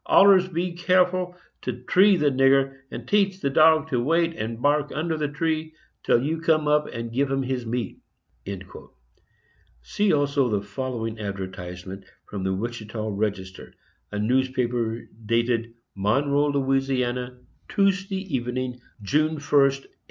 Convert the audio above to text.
Allers be carful to tree the nigger, and teach the dog to wait and bark under the tree till you come up and give him his meat. See also the following advertisement from the Ouachita Register, a newspaper dated "Monroe, La., Tuesday evening, June 1, 1852."